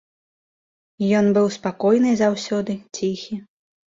Ён быў спакойны заўсёды, ціхі.